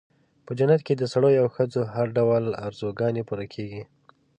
په جنت کې د سړیو او ښځو هر ډول آرزوګانې پوره کېږي.